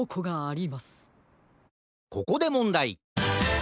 ここでもんだい。